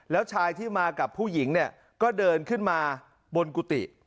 แล้วชายที่มากับผู้หญิงเนี่ยก็เดินขึ้นมาบนกุฏิ